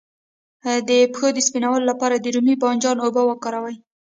د پښو د سپینولو لپاره د رومي بانجان اوبه وکاروئ